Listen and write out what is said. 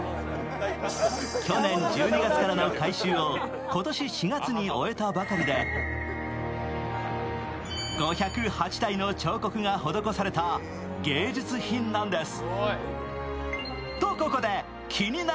去年１２月からの改修を今年４月に終えたばかりで５０８体の彫刻が施された芸術品なんです。